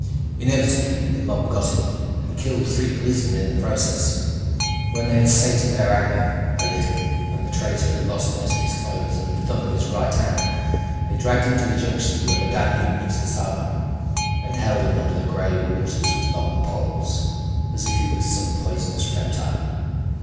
Inevitably the mob got him and killed three policemen in the process. When they had sated their anger a little and the traitor had lost most of his clothes and the thumb of his right hand, they dragged him to the junction where the Danube meets the Sava and held him under the gray waters with long poles, as if he was some poisonous reptile.